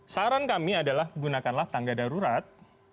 saran kami adalah gunakanlah tangga darurat